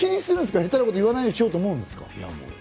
下手なこと言わないようにしようと思うんですか？